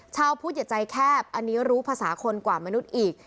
ชาวพุทธอย่าใจแคบอันนี้รู้ภาษาคนกว่ามนุษย์อีก